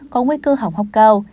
có nguy cơ hỏng hóc cao